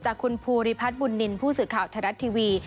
จากคุณภูริพัฒน์บุญนินตร์ผู้สื่อข่าวธรรมดาทีวี